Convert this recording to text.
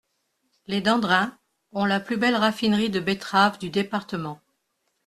Les Dandrin ont la plus belle raffinerie de betteraves du département.